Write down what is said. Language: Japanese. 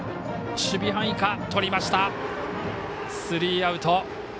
スリーアウト。